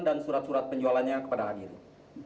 dan surat surat penjualannya kepada hadirin